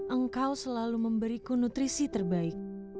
engkau selalu memberiku nutrisi terbaik